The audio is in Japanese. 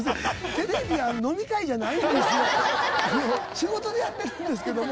仕事でやってるんですけども。